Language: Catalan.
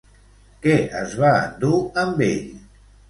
Què es va endur amb ell?